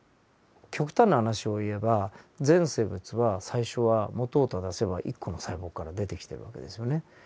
極端な話を言えば全生物は最初は本を正せば１個の細胞から出てきてる訳ですよね。